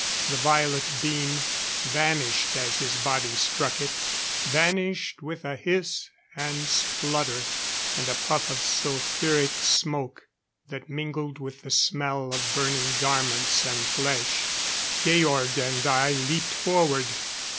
The violet beam vanished as his body struck it vanished with a hiss and splutter, and a puff of sulphuric smoke that mingled with the smell of burning garments and flesh. Georg and I leaped forward.